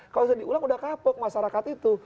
kalau diulang sudah kapok masyarakat itu